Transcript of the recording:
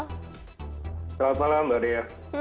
selamat malam mbak dea